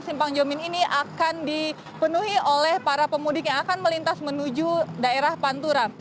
simpang jomin ini akan dipenuhi oleh para pemudik yang akan melintas menuju daerah pantura